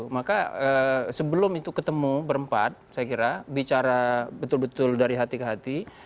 maka sebelum itu ketemu berempat saya kira bicara betul betul dari hati ke hati